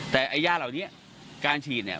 แต่ไอ้ยาเหล่านี้การฉีดเนี่ย